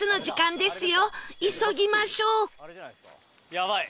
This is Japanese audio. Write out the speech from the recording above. やばい！